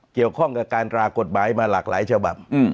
เกี่ยวข้องกับการตรากฎหมายมาหลากหลายฉบับ